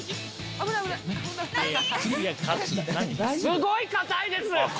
すごい硬いです！